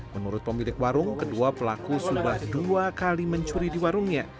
menurut pemilik warung kedua pelaku sudah dua kali mencuri di warungnya